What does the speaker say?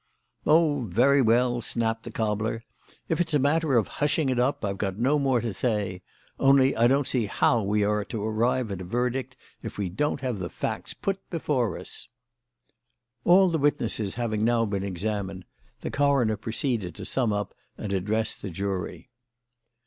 "Oh, very well," snapped the cobbler. "If it's a matter of hushing it up I've got no more to say; only I don't see how we are to arrive at a verdict if we don't have the facts put before us." All the witnesses having now been examined, the coroner proceeded to sum up and address the jury.